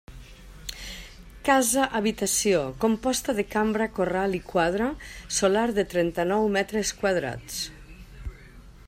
Casa habitació, composta de cambra corral i quadra, solar de trenta-nou metres quadrats.